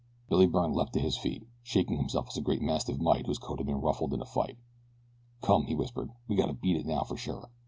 Billy Byrne leaped to his feet, shaking himself as a great mastiff might whose coat had been ruffled in a fight. "Come!" he whispered. "We gotta beat it now for sure.